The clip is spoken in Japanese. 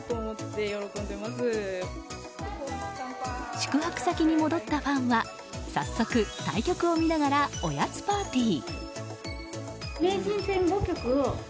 宿泊先に戻ったファンは早速、対局を見ながらおやつパーティー。